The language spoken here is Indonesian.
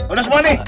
udah semua nih